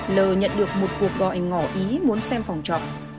l nhận được một cuộc gọi ngỏ ý muốn xem phòng trọng